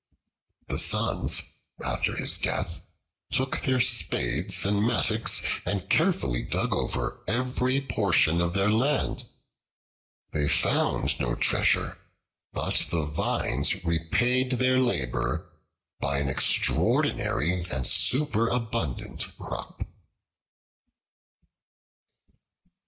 The sons, after his death, took their spades and mattocks and carefully dug over every portion of their land. They found no treasure, but the vines repaid their labor by an extraordinary and superabundant crop.